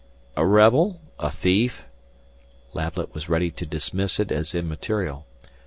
"A rebel, a thief " Lablet was ready to dismiss it as immaterial.